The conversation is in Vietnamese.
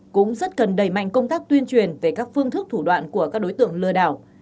cũng rất cần đẩy mạnh công tác tuyên truyền về các phương thức thủ đoạn của các đối tượng lừa đảo